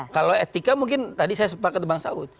kalau etika mungkin tadi saya sempat ke dembang saud